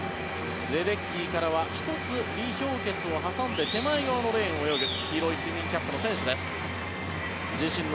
レデッキーからは１つリ・ヒョウケツを挟んで手前側のレーンを泳ぐ黄色いスイミングキャップの選手です。